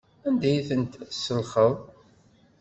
Anda ay tent-tselxeḍ?